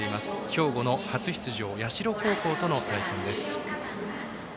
兵庫の初出場社高校との対戦です。